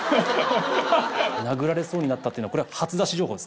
殴られそうになったっていうのはこれは初出し情報ですか？